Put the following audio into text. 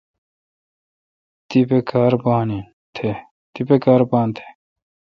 تیپہ کار بان تھ